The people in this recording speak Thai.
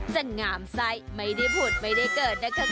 จะงามใสไม่ได้พูดไม่ได้เกิดนะคะคุณ